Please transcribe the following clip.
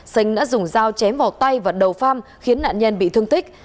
sánh đã dùng dao chém vào tay và đầu pham khiến nạn nhân bị thương tích